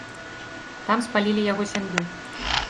Там спалілі яго сям'ю.